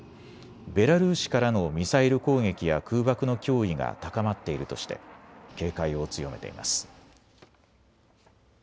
ベラルーシからのミサイル攻撃や空爆の脅威が高まっているとして警戒を強めています。